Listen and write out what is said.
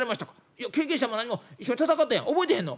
「いや経験したも何も一緒に戦ったやん覚えてへんの？」。